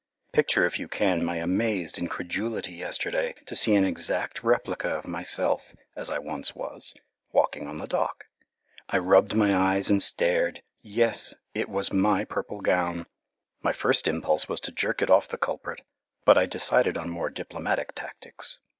Picture if you can my amazed incredulity yesterday to see an exact replica of myself as I once was, walking on the dock. I rubbed my eyes and stared. Yes, it was my purple gown. My first impulse was to jerk it off the culprit, but I decided on more diplomatic tactics.